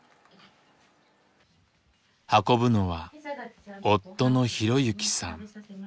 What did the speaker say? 運ぶのは夫の浩行さん。